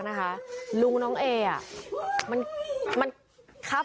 พอสำหรับบ้านเรียบร้อยแล้วทุกคนก็ทำพิธีอัญชนดวงวิญญาณนะคะแม่ของน้องเนี้ยจุดทูปเก้าดอกขอเจ้าที่เจ้าทาง